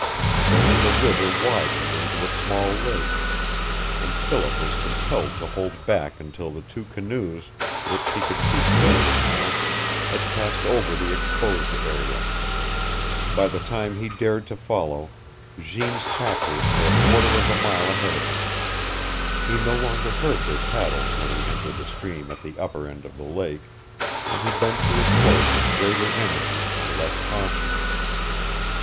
Then the river widened into a small lake, and Philip was compelled to hold back until the two canoes, which he could see clearly now, had passed over the exposed area. By the time he dared to follow, Jeanne's captors were a quarter of a mile ahead of him. He no longer heard their paddles when he entered the stream at the upper end of the lake, and he bent to his work with greater energy and less caution.